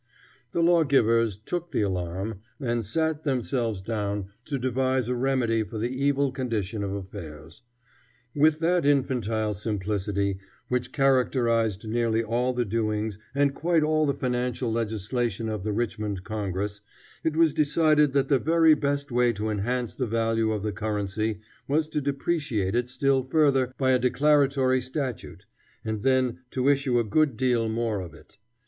The lawgivers took the alarm and sat themselves down to devise a remedy for the evil condition of affairs. With that infantile simplicity which characterized nearly all the doings and quite all the financial legislation of the Richmond Congress, it was decided that the very best way to enhance the value of the currency was to depreciate it still further by a declaratory statute, and then to issue a good deal more of it.